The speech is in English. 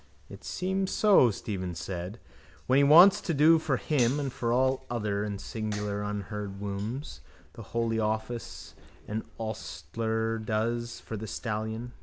—It seems so, Stephen said, when he wants to do for him, and for all other and singular uneared wombs, the holy office an ostler does for the stallion.